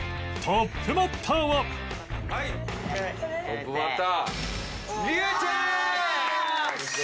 トップバッターか。